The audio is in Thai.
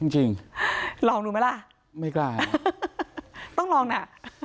จริงลองดูไหมล่ะไม่กล้าต้องลองน่ะ